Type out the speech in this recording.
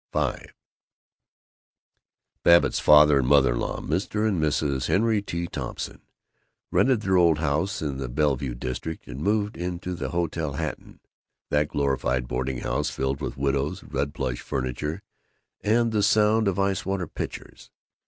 V Babbitt's father and mother in law, Mr. and Mrs. Henry T. Thompson, rented their old house in the Bellevue district and moved to the Hotel Hatton, that glorified boarding house filled with widows, red plush furniture, and the sound of ice water pitchers.